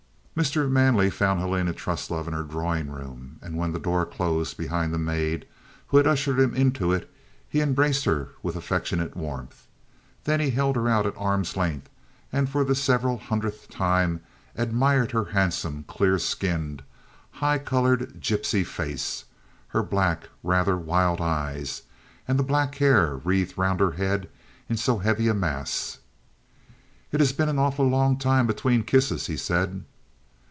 Mr. Manley found Helena Truslove in her drawing room, and when the door closed behind the maid who had ushered him into it, he embraced her with affectionate warmth. Then he held her out at arm's length, and for the several hundredth time admired her handsome, clear skinned, high coloured, gipsy face, her black, rather wild eyes, and the black hair wreathed round her head in so heavy a mass. "It has been an awful long time between the kisses," he said.